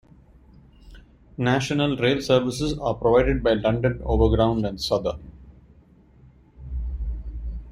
National Rail services are provided by London Overground and Southern.